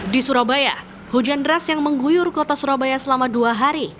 di surabaya hujan deras yang mengguyur kota surabaya selama dua hari